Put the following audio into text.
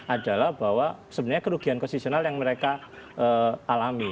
adalah bahwa sebenarnya kerugian konsesional yang mereka alami